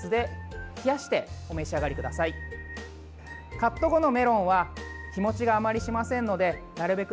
カット後のメロンは日もちがあまりしませんのでなるべく